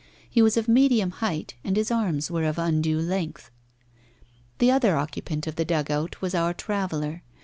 He was of medium height, and his arms were of undue length. The other occupant of the dugout was our traveller.